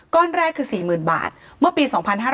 ก้อนแรกคือ๔๐๐๐๐บาทเมื่อปี๒๕๓๘